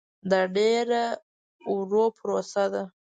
دا ډېره ورو پروسه ده.